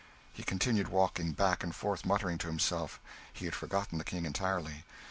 He continued walking back and forth, muttering to himself; he had forgotten the King entirely.